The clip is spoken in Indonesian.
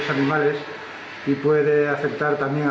dan juga bisa berpengaruh pada manusia